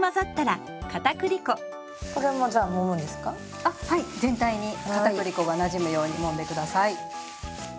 全体にかたくり粉がなじむようにもんで下さい。